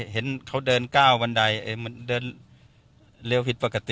เห็นเขาเดินก้าวบันไดมันเดินเร็วผิดปกติ